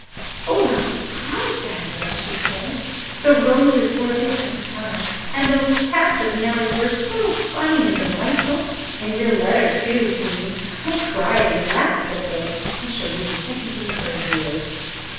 "Oh, how surprised I was!" she said. "The roses were like a bit of summer, and those cats of Nellie's were so funny and delightful. And your letter too, Jean! I cried and laughed over it. I shall read it every day for a year."